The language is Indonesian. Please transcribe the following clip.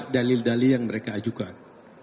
dalil dalil yang mereka ajukan